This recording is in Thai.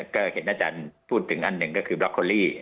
ก็เห็นอาจารย์พูดถึงอันหนึ่งก็คือบล็อกโคลี่